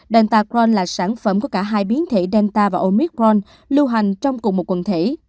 danta cron là sản phẩm của cả hai biến thể delta và omicron lưu hành trong cùng một quần thể